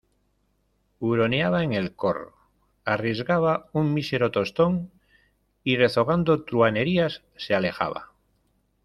huroneaba en el corro, arriesgaba un mísero tostón , y rezongando truhanerías se alejaba.